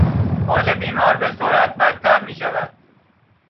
حال بیمار به سرعت بدتر میشود.